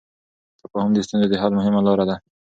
تفاهم د ستونزو د حل مهمه لار ده.